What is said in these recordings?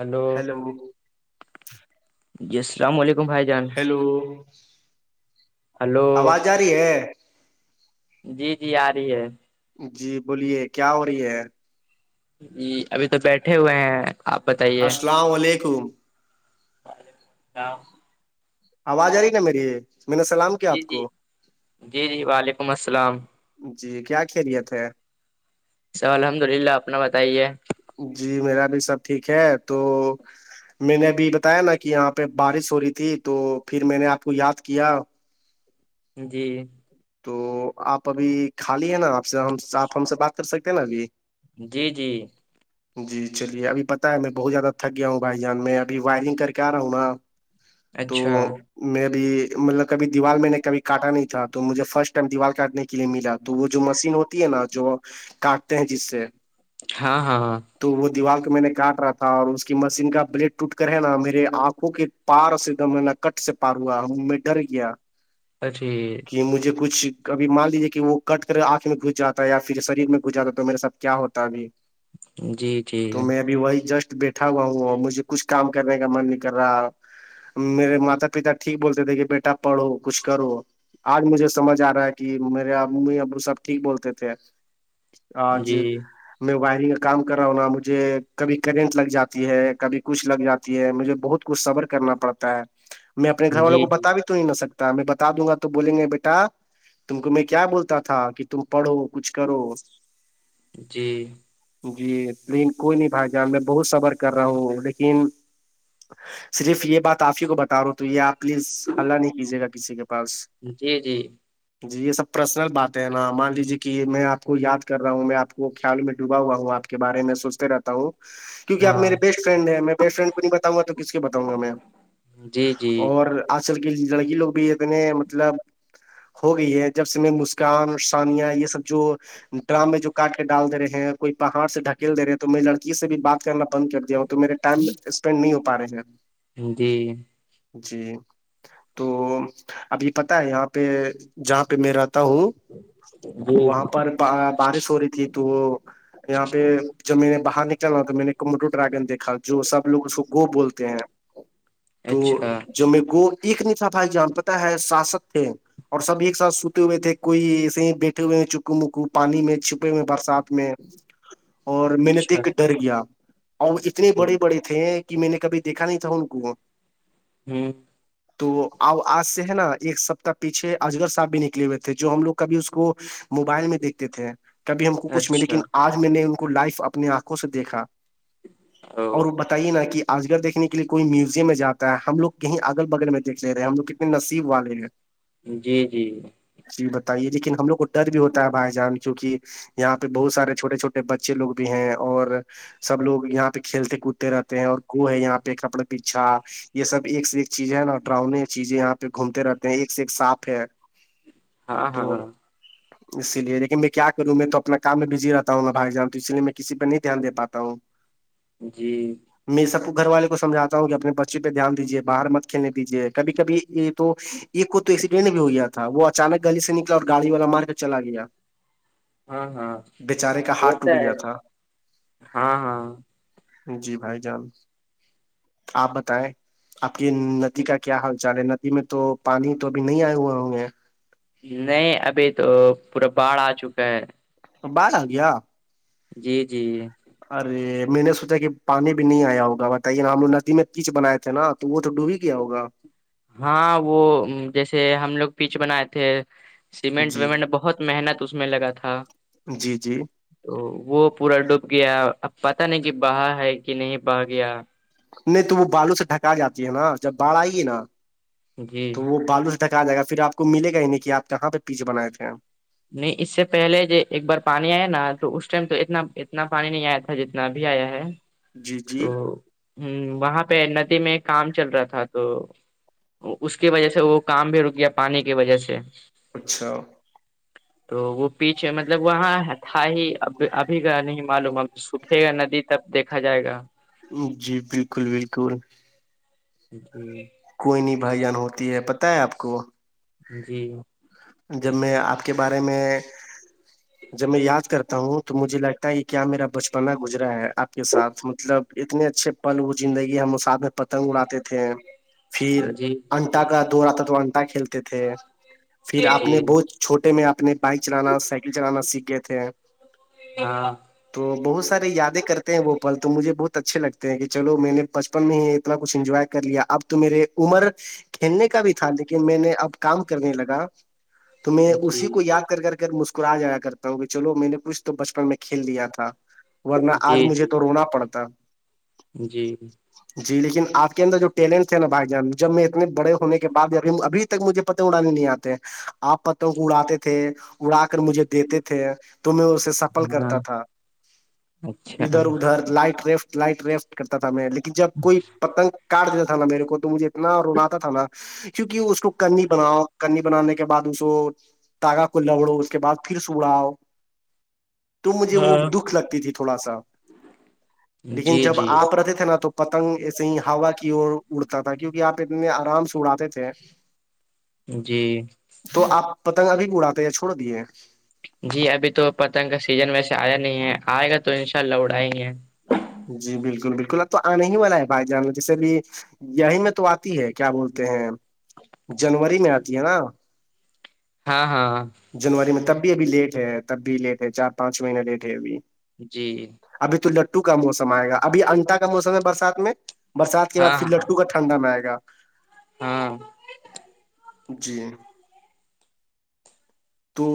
hello hello [inaudible] hello hello ہے جی جی آ رہی ہے جی بولیے کیا ہو رہی ہے جی ابھی تو بیٹھے ہوئے ہیں آپ بتائیے السلام علیکم جؤ [unintelligible] آواز آ رہی نا میری م نے سلام کیا جی آپ جی کو جی جی وعلیکم السلام جی کیا خیریت ہے سر الحمد للہ اپنا بتائیے جی میرا بھی سب ٹھیک ہے تو میں نے ابھی بتایا نا کہ یہاں پہ بارش ہو رہی تھی تو پھر میں نے آپ کو یاد کیا جی تو آپ ابھی خالی ہے نا آپ سے ہم آپ ہم سے بات کر سکتے ہیں نا ابھی جی جی جی چلیے ابھی پتا ہے میں بہت زیادہ تھک گیا ہوں بھائی جان میں ابھی وائرنگ کر کے آ رہا ہوں نا تو اچھا میری مطلب کبھی دیوار میں نے کبھی کاٹا نہیں چاہتا تو مجھے فرسٹ ٹائم دیوار کاٹنے کے لیے ملا تو وہ جو مشین ہوتی ہے نا جو کاٹتے ہیں جس سے ہاں ہاں ہاں تو وہ دیوار کو میں نے کاٹ رہا تھا اور اس کی مشین کا بلیڈ ٹوٹ کر ہے نا میرے آنکھوں کے پار سے دم ہے نا کٹ سے پار ہوا ہ میں ڈر گیا اٹھی کہ مجھے کچھ ابھیان لیجیے کہ وہ کٹ کر آنکھ میں گھس جاتا ہے یا پھر شریر میں گھساتا ہے تو میرے ساتھ کیا ہوتا ابھی جی جی تو میں بھی وہی جسٹ بیٹھا ا ہو مجھے کچھ کام کرنے کا من نہیں کر رہا میرے ماتا پتا ٹھیک بولتے تھے کہ بیٹا پڑھو کچھ کرو آج مجھے سمجھ آ رہا ہے کہ میرے امی ابو سب ٹھیک بولتے تھے جی آج جی میں وائرنگ کا کام کر رہا ہوں نا مجھے کبھی کرنٹ لگ جاتی ہے کبھی کچھ لگ جاتی ہے مجھے بہت کچھ صبر کرنا پڑتا ہے میں اپنے گھر جی والوں کو بتا بھی تو نہیں نہ سکتا ہے میں بتا دوں گا بولیں گے بیٹا تم کو میں کیا بولتا تھا کہ تم پڑھو کچھ کرو جی جی لیکن کوئی نہیں بھائی جان میں بہت صبر کر رہا ہوں لیکن صرف یہ بات آپ ہی کو بتا رہا ہوں تو یہ آپ پلیز ہلہ نہیں کیجیے گا کسی کے پاس جی جی جی یہ سب پرسنل بات ہے نا مان لیجیے کہ میں آپ کو یاد کر رہا ہوں میں آپ کو خیال میں ڈوبا ہوا ہوں آپ کے بارے میں سوچتے رہتا ہوں کیوںک آپ ہاں میرے بیسٹ فرینڈ ہیں میں بیسٹ فرینڈ کو نہیں بتاؤ گا تو کس کے بتاؤں گا میں جی جی اور آج کل کے لڑکی لوگ بھی اتنے مطلب ہو گئی ہے جب سے میں مسکان ثانیہ یہ سب جو ڈرام میں جو کاٹ کے ڈال د رہے ہیں کوئی پہاڑ سے ڈھکیل د رہے ہیں تو میں لڑکی سے بھی بات کرنا بند کر دیا ہوں تو میرے ٹائم اسپینڈ نہیں ہو پا رہے ہیں جی جی تو ابھی پت ہے یہاں پہ جہاں پہ میرا جی وہاں پر بارش ہو رہی تھی تو وہ یہاں پہ جب میں نے باہر نکلنا تو میں نے موٹو ڈرگن دیکھا جو سب لوگ اس کو گو بولتے ہیں تو اچھا جب میرے کو ایک نہیں تھا بھائی جان پتہ ہے ساسک تھے اور سب ایک ساتھ سوتے ہوئے تھے کوئی ایسے ہی بیٹھے ہوئے ہیں چکو مکو پانی میں چھپے ہوئے برسات میں اور میں نے دیکھ اچھا کے ڈر گیا ا اتنے بڑے بڑے تھے کہ میں نے کبھی دیکھا نہیں تھا ان کو ہوں تو آج سے ہے نا ایک سپتاہ پیچھ اجغگر صاحب بھی نکلے ہوئے تھے جو ہم لو کبھی اس کو موبائل میں دیکھتے تھے کبھی ہم کو کچھ میں اچھا لیکن آج میں نے ان کو لائف اپنی آنکھوں سے دیکھا او اور ب تی نا کہ آج گل دیکنے کے لیے کوئی میوزیم میں جاتا ہے ہم لوگ کہیں اگل بگل میں دھ لے رہے ہم لگ نصیب والے ہیں جی جی جی بتائیے لیکن ہم لوگ کو ڈر بھی ہوتا ہے بھائی جان کیونکہ یہاں پہ بہت سارے چھوٹے چھوٹے بچے لوگ بھی ہیں اور سب لوگ یہاں پہ کھیلتے کودتے رہتے ہیں اور گو ہے یہاں پہ کپڑا پیچھا یہ سب ایک سے ایک چیزیں ہے نا ڈراؤنے چیزیں یہاں پ پہ گھومتے رہتے ہیں ایک سے ایک صاف ہے ہاں تو ہاں اسی لیے لیکن میں کیا کروں میں تو اپنا کام میں بزی رہتا ہوں میں بھا جں تو اس لیے میں کسی پہ نہیں دھیان دے پاتا ہوں [inaudible] [inaudible] جی میں سب کو گھر والے کو سمھاتا ہوں اپنے بچے پہ دھیان دیجیے باہر مت کھیلنے دیجیے کبھی کبھی تو ایک کو تو ایکسیڈینٹ بھی ہو گیا تھا وہ اچانک گلی سے نکلا اور گاڑی والا مار کر چلا گیا ہاں ہاں بیچارے کا ہاتھ وہتا ٹوٹ گیا ہے تھا ہاں ہاں جی بھائی جان آپ بتائیں آپ کی ندی کا کیا حال چال ہے میں تو پانی تو ابھی نہیں آئے ہوئے ہوں گے نہیں ابھی تو پورا باڑھ آ چکا ہے تو باہر آ گیا جی جی ارے میں نے سوچا کہ پانی بھی نہیں آیا ہوگا بتائیے نا ہم لوگ ندی میں کچ بنائے تھے نا تو وہ تو ڈوبی گیا ہوگا ہاں وہ جیسے ہم لوگ پیچ بنائے تھے سیمنٹ جی ویمنٹ بہت محنت اس میں لگا تھا جی جی تو وہ پورا ڈوب گیا اب پتا نہیں کہ بہا ہے کہ نہیں بہا گیا نہیں تو وہ بالو سے ڈھکا جاتی ہے نا جب باڑھ آئے گی نا جی تو وہ بالو سے تک آ ج گا پھر آپ کو ملے گا ہی نہیں کہ آپ کہاں پہ پیچ بائے تھے ہم نہیں اس سے پہلے جو ایک بار پانی آیا نا تو اس ٹائم تو اتنا اتنا پانی نہیں آیا تھا جتنا اب آیا ہے جی جی تو وہاں پہ ندی میں کام چل رہا تھا تو اس کی وجہ سے وہ کام بھی رکیا پانی کی وجہ سے اوچھاؤ [unintelligible] تو وہ پیچھے مطلب وہاں تھا ہی اب ابھی کا نہیں معلوم اب سکھے گا ندی تب دیکھا جائے گا جی بالکل بالکل جی [inaudible] کوئی نہیں بھائی جان ہوتی ہے پت ہے آپ کو جی [inaudible] جب میں آپ کے بارے میں جب میں یاد کرتا ہوں تو مجھے لگتا ہے کیا میرا بچپنا گزرا ہے آپ کے ساتھ مطلب اتنے اچھے پل وہ زندگی ہم اس ساتھ میں پتنگ اڑاتے تھے پھر جی انٹا کا دوور آتا تو انٹا کھیلتے تھے پھر آپ نے جی بہت چھوٹے میں اپنے بائک چلانا سائیکل چلانا سیکھ گئے تھے ہاں [inaudible] تو بہت سارے یادیں کرتے ہیں وہ پل تو مجھے بہت اچھے لگتے ہیں کہ چلو میں نے بچپن میں ہی اتنا کچھ انجوائے کر لیا اب تو میرے عمر کھیلنے کا بھی تھا لیکن میں نے اب کام کرنے لگا تو میں جی اسی کو یاد کر کر کر مسکرا جایا کرتا ہوں کہ چلو میں نے کچھ تو بچپن میں کھیل دیا تھا ورنہ آج جی مجھے تو جی رونا پڑتا جی جی لیکن آپ کے اندر جو ٹیلنٹ تھے نا بھائی جان جب میں اتنے بڑے ہونے کے بع ابھی ابھی مجھے پت اڑانے نہیں آتے آپ پتوں کو اڑاتے تھے اڑا کر مجھے دیتے تھے تو میں اس سے سفل ہاں کرتا تھا اچھا ادھر ادھر لائٹ ریفٹ لائٹ ریفٹ کرتا تھا میں لیکن جب کوئی پتنگ کاٹ دیتا تھا نا میرے کو تو مجھے اتنا رناتا تھا نا کیونکہ اس کو کرنی بناؤ کرنی بنانے کے کے بعد اس کو تاگا کو لوڑو اس کے بعد پھر سڑا آؤ تو مجھے وہ ہاں دکھ لگتی تھی تھوڑا سا لیکن جی جب جی آپ رہتے تھے نا تو پتنگ ایسے ہی ہا کی اور اڑتا تھا کیونکہ آپ اتنے آرام سے اڑاتے تھے جی تو آپ پتنگ ابھی بھی اڑاتے ہیں چھوڑ دیے جی ابھی تو پتنگ کا سیزن ویسے آیا نہیں ہے آئے گا تو ان شاء اللہ اڑائے ہیں [unintelligible] جی بالکل بالکل اب تو آنے ہی والا ہے بھائی جان میں جیسے بھی یہی میں تو آتی ہے کیا بولتے ہیں جنوری میں آتی ہے نا ہاں ہاں ہاں جنوری میں تب بھی ابھی لیٹ ہے تب بھی لیٹ ہے چار پانچ مہینے لیٹ ہے ابھی جی اب تو لٹو کا موسم آئے گا ابھی انٹا کا موسم ہے برسات میں برسات کے بع ہاں پھر ہاں لٹو کا ٹنڈا م گا [unintelligible] ہاں جی تو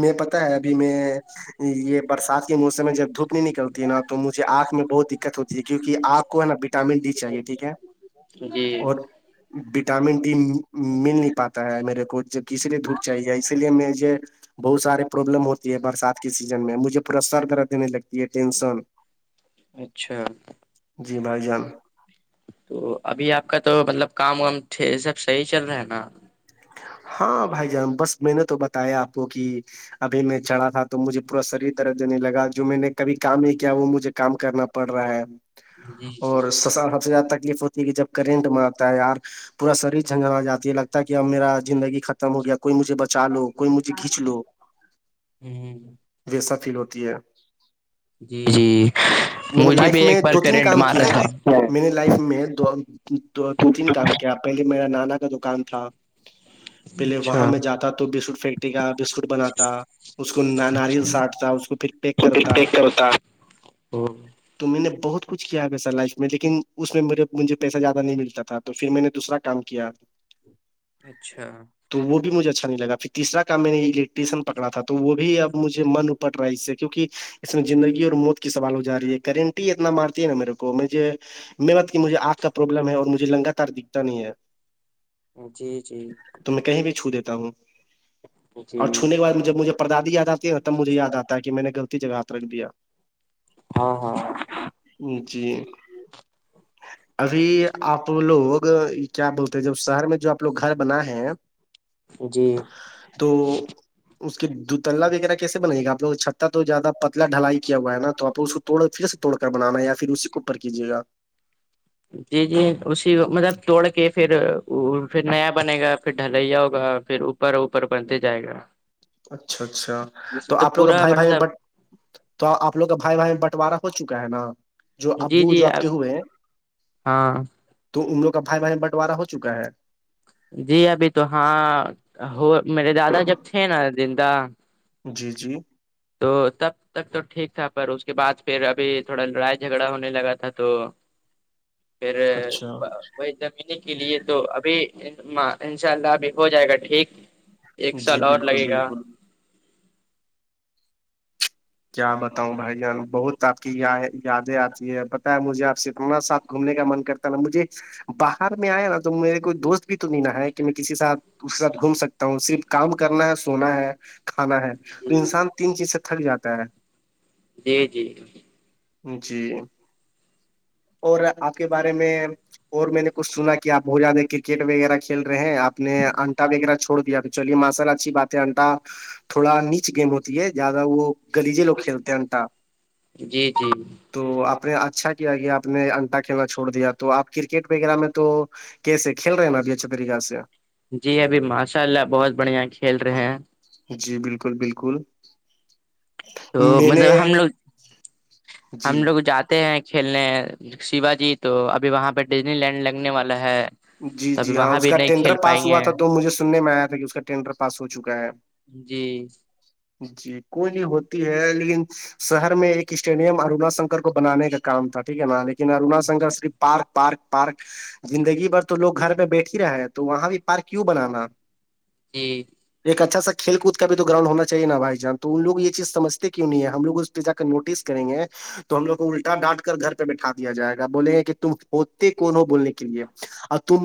میں پتا ہے ابھی میں یہ برسات کے موسم میں جب دھوپ نہیں نکلتی ہے نا تو مجھے آنکھ میں بہت د ہوتی تھی کیکہ آپ کو ہے نا وٹامن ڈی چاہیے ٹھیک ہے جی اور وٹامن ڈی مل نہیں پاتا ہے میرے کو جب کسی نے دھودپ چاہیے اس مج بہت سارے پروابلم ہوتی ہے برسات کی سیزن میں مجھے پ سرر دینے لگتا ٹینشن اچھا جی بھائی جان تو ابھی آپ کا تو مطلب کام وام سب صحیح چل رہا ہے نا ہاں بھائی جان بس میں نے تو بتایا آپ کو کہ ابھی میں چڑھا تھا تو مجھے پورا شریر طرف دینے لگا جو میں نے کبھی کام نہیں کیا وہ مجھے کام کرنا پ پڑ رہا ہے جی اور سسال سب سے زیادہ تکلیف ہوتی کہ جب کرنٹ مارتا ہے یار پورا شریر جھنجا آ جاتی ہے لگتا ہے کہ اب میرا زندی ختم ہویا کوئی مجھے بچ چ لو کوئی مجھے کھیچ لو ویسا فیل ہوتی ہے جی جی [inaudible] میں نے مجھے لائف بھی میں ایک بار دو تین کرنٹ کام مارا کیا تھا ہے میں نے لائف میں دو دو دو تین کام کیا پہلے میرا نانا کا دکان تھا پہلے وہاں اچھا میں جاتا تھا تو بسکٹ فیکٹری کا بسکٹ بناتا اس کو ناریل سٹتا اس کو پھر پیک تو ٹک کرتا ٹیک او تو میں نے بہت کچھ کیا ہے ویسا لائف میں لیکن اس میں میرے مجھے پیسہ زیادہ نہیں ملتا تھا تو پھر میں نے دوسرا کام کیا اچھا تو وہ بھی مجھے اچھا نہیں لگا پھر تیسر کام میں نے الیکٹریسن پکڑا تھا تو وہ بھی اب مجھے من اٹ رہا ہے اس سے کیکہ اس میں زندگی اور موت کی سوال ہو جا رہی ہے کرنٹی اتنا مارتی ہے نا میرے کو میںھے میں م کہ مجھے آگ کا پرابلم ہے اورجھے لنگااتار دکھتا نہیں ہے جی جی تو میں کہیں بھی چھو دیتا ہوں جی اور چھونے کے بعد جب مجھے پر دادی یاد آتی ہے تب مجھے یاد آتا ہے کہ میں نے غطی جگہات رکھ دیا ہاں ہاں ن جی ابھی آپ لوگ کیا بولتے ہیں جب شہر میں جو آپ لوگ گھر بنا ہیں جی تو اس کے دتللا وغیرہ کیسے بن گا آپگ چھہ تو زیادہ پتلا ڈھلائی کیا ہوا ہے نا تو اس کو توڑ پھر سے توڑ کر بنانا یا پھر اسی کے اوپر کیجیےا جی جی اسی مطلب توڑ کے پھر پھر نیا بنے گا پھر ڈھلیا ہوگا پھر اپر اوپر بنتے جائے گا اچھا اچھا جیسے تو آپ لوگ کا پورا بھائی بھائی مطلب بٹ تو آپ لوگ کا بھائی بھائی بنٹوارہ ہو چکا ہے نا جو جی ابو جی جو آپ کے ہوئے ہیں ہاں تو امروگ کا بھائی بہن بٹوارہ ہو چکا ہے جی ابھی تو ہاں ہو میرے دادا جب تھے نا زندہ جی جی تو تب تک تو ٹھیک تھا پر اس کے بعد پھر ابھی تھوڑا لڑائی جھگڑا ہونے لگا تھا تو [inaudible] پھر اچھا وہی زمین کے لیے تو ابھی ان شاء اللہ ابھی ہو جائے گا ٹھیک ایک جی سال اور بالکل لگے گا بالکل کیا بتاؤ بھائی جان بہت آپ کی یا یادیں آتی ہے بتا ہے مجھے آپ سےتنا ساتھ گھومنے کا من کرتا نا مجھے باہر میں آیا نا تو میرے کوئی دوست بھی ت نہیں نہئے کہ میں کسی ساتھ [unintelligible] اس کے ساتھ گھوم سکتا ہوں صرف کام کرنا ہے سونا ہے کھانا ہے جی تو انسان تین چیز سے تھٹ جاتا ہے جی جی جی اور آپ کے بارے میں اور میں نے کچھ سنا کہ آپ بہت زیادہ کرکٹ وغیرہ کھیل رہے ہیں آپ نے انٹا وغیرہ چھوڑ دیا ا چلیے ماں سال اچھی بات ہے انٹا تھوڑا نیچ گیم ہوتی ہے زیادہ وہ گلیجے لوگ کھیلتے ہیں انٹا جی جی تو آپ نے اچھا کیا کہ آپ نے انٹا کھیلنا چھوڑ دیا تو آپ کرکٹ وغیرہ میں تو کیسے کھیل رہے ہیں نا ابھی اچھا طریقہ سے جی ابھی ماشاء اللہ بہت بڑھیا کھیل رہے ہیں جی بالکل بالکل تو میں نے مطلب ہم لوگ ہم جی لوگ جات [unintelligible] ہیں کھیلنے شیوا جی تو ابھی وہاں پہ ڈزنی لینڈ لگنے والا ہے جی تو جی ابھی ہاں وہاں اس بھی کا نہیں ینڈر کھیل پاس پائیں ہوا گے تھا تو مجھے سننے میں آیا تھا کہ اس کا ینڈر پاس ہو چکا ہے جی جی کونی ہوتی ہے لیکن شہر میں ایک اسٹیڈیم ارونا شنکر کو بنانے کا کام تھا ٹھیک ہے نا ارناا Shankar Sharif park park park زندگی بھر [unintelligible] تو لوگ گھر میں بیٹھ ہی رہے ہیں تو وہاں بھی پارک کیوں بنانا جی ایک اچھا کھیل کود کا بھی تو گراؤن ہو چاہی نا بھائی جان تو ان لوگ یہ چیز سمھتے کیوں نہیں ہے ہم لگ جا کر نوٹس کریں گے تو ہم لوگ کو الٹا ڈانٹ کر گھر پہ بیٹھا دیا جائے گا بولیں گے کہ تم ہوتے کون ہو بولنے کے لیے اب تو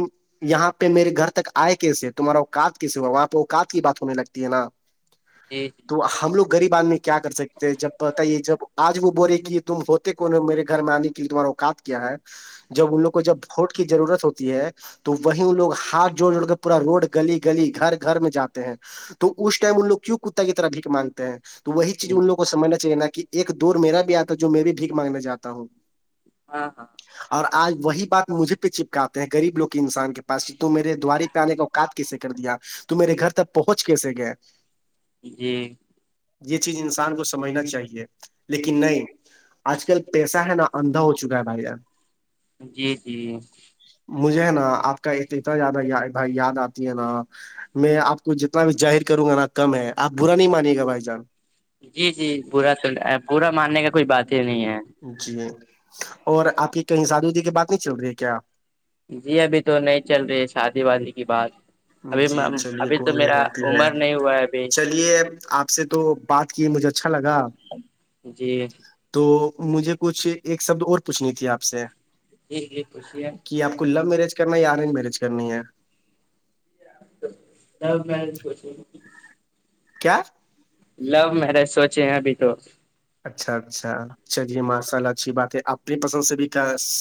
یہاں پہ میرے گھر تک آئے کیسے تمہارا ا کاد کیس ہوا وہاں پہ ا کاد کی بات ہونے لگتی ہے نا [unintelligible] جی تو ہم لوگ غریب آدمی کیا کر سکتے ہیں جب بتائیے جب آج وہ بول رہے کہ تم ہو نے میرے گھر میں آنے کے لی دوبارہ اوقات کیا ہے جب ان لو کو جب وھوٹ کی ضرورت ہوتی ہے تو وہیں وہ لوگ ہاتھ جوڑ جوڑ کر پورا روڈ گلی گلی گھر گھر میں جاتے ہیں تو اس ٹائم ان لوگ کیوں کتا کی طرحھ مانتے ہیں [unintelligible] تو وہی چیز ان جی لوگ کو سمجھنا چاہیے نا کہ ایک دور میرا بھی آتا جو میں بھیھیک مانگنے جاتا ہوں ہاں ہاں [inaudible] اور آج وہی بات مجھے پہ چپکاتے ہیں گغریب لوگ انسان کے پس تو میرے دووار پہ آنے کاقات کیسے کر دیا تو میرے گھر تک پہنچ کیسے گئے [unintelligible] جی یہ چیز انسان کو سمجھنا چاہیے لیکن نہیں آج کل پیسہ ہے نا اندھا ہو چکا ہے بھائی جان جی جی مجھے ہے نا آپ کا ا اتنا زیادہ یا بھائی یاد آتی ہے نا میں آپ کو جتنا بھی ظاہر کروں گا نا کم ہے آپ برا نہیں مانیے گا بھائی جان جی جی برا تو بورا ماننے کا کوئی بات ہی نہیں ہے جی اور آپ کی کہیں سادیودی کی بات نہیں چل رہی ہے کیا جی ابھی تو نہیں چل رہی ہے شادی وادی کی بات ابھی جی چلیے ابھی تو کوئی نہیں میرا ہوتی ہے عمر نہیں ہوا ہے ابھی چلیے آپ آ سے تو بات کیے مجھے اچھا لگا جی [inaudible] تو مجھے کچھ ایک شبد اور پوچھنی تھی آپ سے [unintelligible] ایک لی خوش ہے کہ آپ کو لو میرج کرنا یا ارینج میرج کرنی ہے [unintelligible] تو جب میں بھی سوچ رہ کیا [unintelligible] لو میرج سوچے ہیں ابھی تو اچھا اچھا اچھا جی ماشاء اللہ اچھی بات ہے اپنی پسند سے بھی کیا [unintelligible]